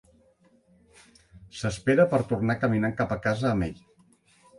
S'espera per tornar caminant cap a casa amb ell.